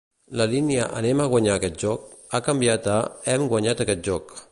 La línia "Anem a guanyar aquest joc" ha canviat a "Hem guanyat aquest joc".